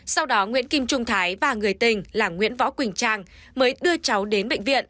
sau đó nguyễn kim trung thái và người tình là nguyễn võ quỳnh trang mới đưa cháu đến bệnh viện